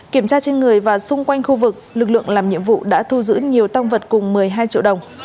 kiểm tra trên người và xung quanh khu vực lực lượng làm nhiệm vụ đã thu giữ nhiều tăng vật cùng một mươi hai triệu đồng